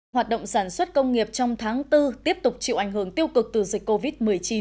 hoạt động sản xuất công nghiệp trong tháng bốn tiếp tục chịu ảnh hưởng tiêu cực từ dịch covid một mươi chín